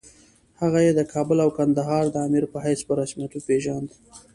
هغه یې د کابل او کندهار د امیر په حیث په رسمیت وپېژاند.